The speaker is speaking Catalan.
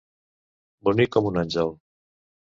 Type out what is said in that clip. Bonic com un àngel.